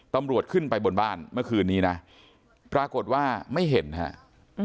ตำรวจขึ้นไปบนบ้านเมื่อคืนนี้นะปรากฏว่าไม่เห็นฮะ